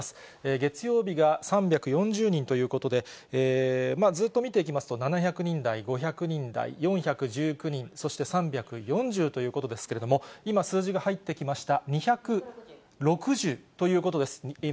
月曜日が３４０人ということで、ずっと見ていきますと、７００人台、５００人台、４１９人、そして３４０ということですけれども、今、数字が入ってきました。